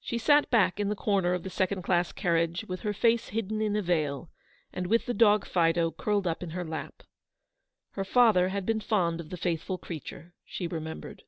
She sat back in a corner of the second class carriage with her face hidden in a veil, and with the dog Fido curled up in her lap. Her father had been fond of the faithful creature, she re membered.